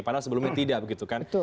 padahal sebelumnya tidak begitu kan